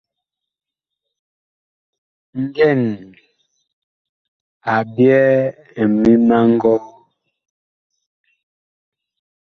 Ngɛn, a ɓyɛɛ ŋmim a ngɔɔ.